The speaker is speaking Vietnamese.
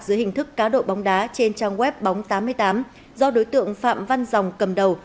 dưới hình thức cá độ bóng đá trên trang web bóng tám mươi tám do đối tượng phạm văn dòng cầm đầu